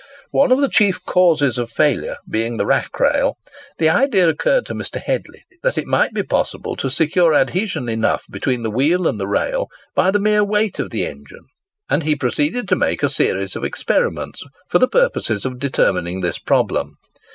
One of the chief causes of failure being the rack rail, the idea occurred to Mr. Hedley that it might be possible to secure adhesion enough between the wheel and the rail by the mere weight of the engine, and he proceeded to make a series of experiments for the purpose of determining this problem.